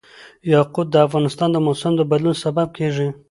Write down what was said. یاقوت د افغانستان د موسم د بدلون سبب کېږي.